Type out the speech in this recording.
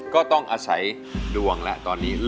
ก็ต้องอาศัยดวงละตอนนี้ครับ